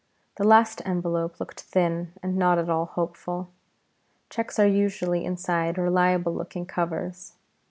The last envelope looked thin and not at all hopeful. Cheques are usually inside reliable looking covers.